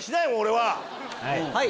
はい！